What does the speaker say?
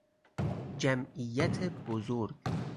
جمعیت بزرگ